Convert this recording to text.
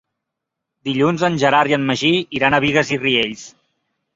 Dilluns en Gerard i en Magí iran a Bigues i Riells.